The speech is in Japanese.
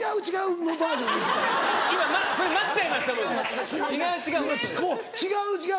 今「違う違う」